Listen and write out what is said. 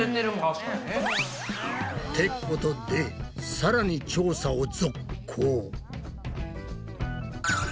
ってことでさらに調査を続行！